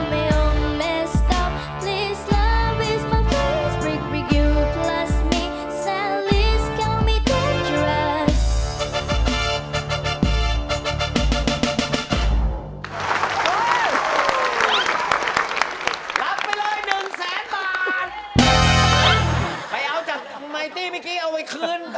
ใหม่ตี้มิกี้เอาไว้คืนครับ